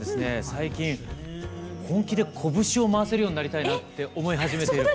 最近本気でこぶしを回せるようになりたいなって思い始めている。